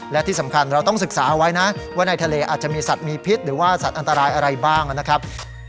และที่สำคัญเราต้องศึกษาเอาไว้นะว่าในทะเลอาจจะมีสัตว์มีพิษหรือว่าสัตว์อันตรายอะไรบ้างนะครับ